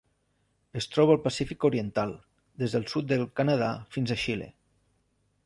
Es troba al Pacífic oriental: des del sud del Canadà fins a Xile.